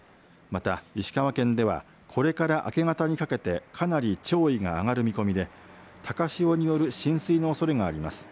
石川県ではこれから明け方にかけてかなり潮位が上がる見込みで高潮による浸水のおそれがあります。